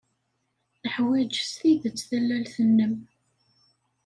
Neḥwaj s tidet tallalt-nnem.